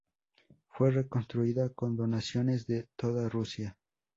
Fue reconstruida con donaciones de toda Rusia.